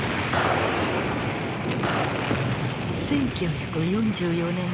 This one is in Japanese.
１９４４年７月。